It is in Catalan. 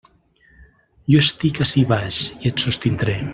Jo estic ací baix i et sostindré.